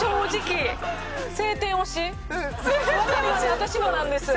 私もなんです。